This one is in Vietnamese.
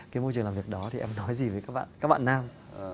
cái môi trường làm việc đó thì em nói gì với các bạn các bạn nam